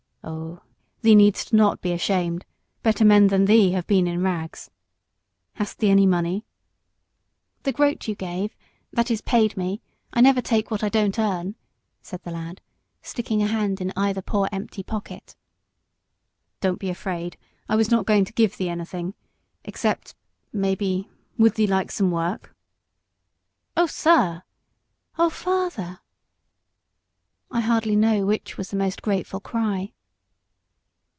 "Oh, thee need'st not be ashamed; better men than thee have been in rags. Hast thee any money?" "The groat you gave, that is, paid me; I never take what I don't earn," said the lad, sticking a hand in either poor empty pocket. "Don't be afraid I was not going to give thee anything except, maybe Would thee like some work?" "O sir!" "O father!" I hardly know which was the most grateful cry.